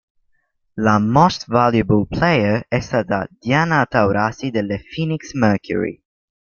La "Most Valuable Player" è stata Diana Taurasi delle Phoenix Mercury.